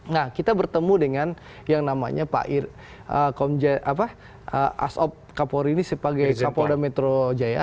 nah kita bertemu dengan yang namanya pak asop kapolri ini sebagai kapolda metro jaya